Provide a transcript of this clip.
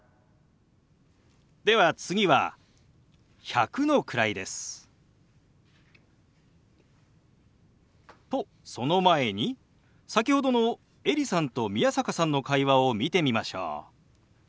では次は１００の位です。とその前に先ほどのエリさんと宮坂さんの会話を見てみましょう。